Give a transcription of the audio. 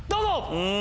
うん。